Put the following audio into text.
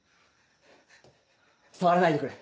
触らないでくれ。